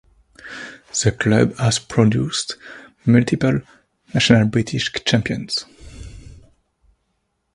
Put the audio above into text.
The club has produced multiple national British champions.